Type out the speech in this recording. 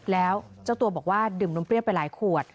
แล้วเจ้าตัวบอกว่าดื่มนมเปรี้ยวไปหลายขวด